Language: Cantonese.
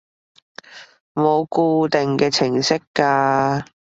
冇固定嘅程式㗎